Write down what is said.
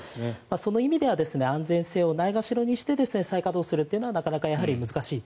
その意味では安全性をないがしろにして再稼働するのはなかなか難しい。